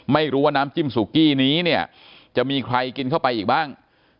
ไม่รู้ว่าน้ำจิ้มสุกี้นี้เนี่ยจะมีใครกินเข้าไปอีกบ้าง